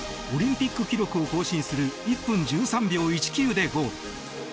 オリンピック記録を更新する１分１３秒１９でゴール。